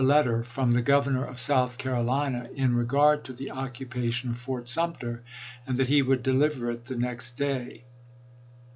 letter from the Governor of South Carolina in re gard to the occupation of Foi;t Sumter," and that he would deliver it the next day.